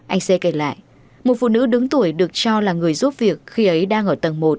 anh xê kể lại một phụ nữ đứng tuổi được cho là người giúp việc khi ấy đang ở tầng một